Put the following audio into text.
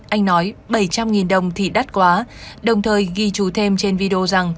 anh nói bảy trăm linh đồng thì đắt quá đồng thời ghi chú thêm trên video rằng